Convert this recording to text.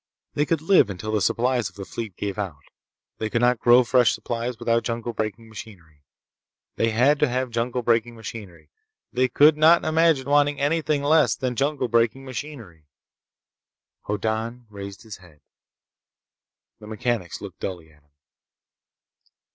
They could live until the supplies of the fleet gave out. They could not grow fresh supplies without jungle breaking machinery. They had to have jungle breaking machinery. They could not imagine wanting anything less than jungle breaking machinery— Hoddan raised his head. The mechanics looked dully at him.